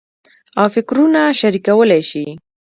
او فکرونه شریکولای شي.